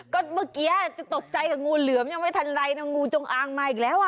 ก็เมื่อกี้จะตกใจกับงูเหลือมยังไม่ทันไรนะงูจงอางมาอีกแล้วอ่ะ